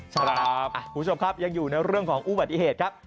คุณผู้ชมครับยังอยู่ในเรื่องของอุบัติเหตุครับ